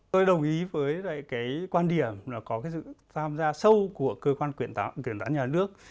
tôi đồng ý với cái quan điểm là có cái sự tham gia sâu của cơ quan kiểm toán nhà nước